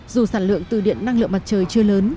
dù sản lượng từ điện năng lượng mặt trời chưa lớn